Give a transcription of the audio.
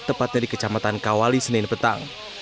tepatnya di kecamatan kawali senin petang